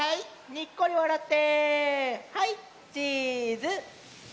にっこりわらってはいチーズ！